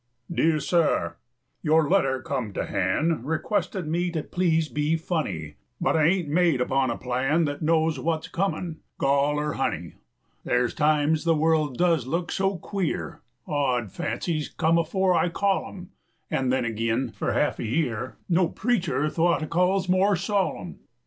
] DEAR SIR, Your letter come to han' Requestin' me to please be funny; But I ain't made upon a plan Thet knows wut's comin', gall or honey: Ther' 's times the world does look so queer, 5 Odd fancies come afore I call 'em; An' then agin, for half a year, No preacher 'thout a call 's more solemn.